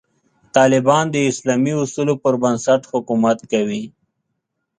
طالبان د اسلامي اصولو پر بنسټ حکومت کوي.